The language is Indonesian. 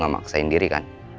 kamu maksain diri kan